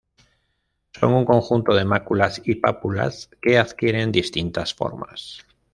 Son un conjunto de máculas y pápulas que adquiere distintas formas.